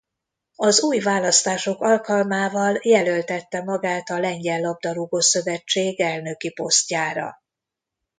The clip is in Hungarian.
Az új választások alkalmával jelöltette magát a Lengyel Labdarúgó-szövetség elnöki posztjára.